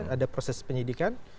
ada proses penyidikan